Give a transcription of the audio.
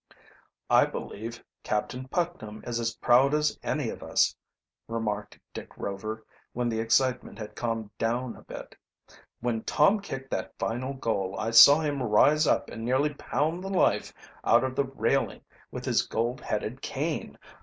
"I believe Captain Putnam is as proud as any of us," remarked Dick Rover, when the excitement had calmed down a bit. "When Tom kicked that final goal I saw him rise up and nearly pound the life out of the railing with his gold headed cane.